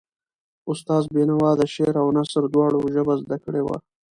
استاد بینوا د شعر او نثر دواړو ژبه زده کړې وه.